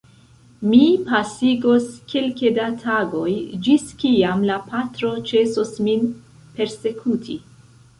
Mi pasigos kelke da tagoj, ĝis kiam la patro ĉesos min persekuti.